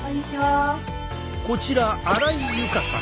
こちら荒井佑香さん。